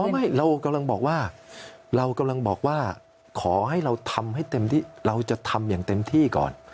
ไม่เรากำลังบอกว่าเรากำลังบอกว่าขอให้เราทำให้เต็มที่เราจะทำอย่างเต็มที่ก่อน